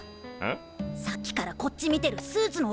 さっきからこっち見てるスーツの男がいるぞ。